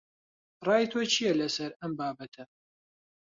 ڕای تۆ چییە لەسەر ئەم بابەتە؟